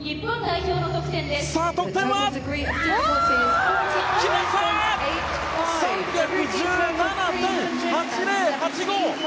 得点は３１７．８０８５！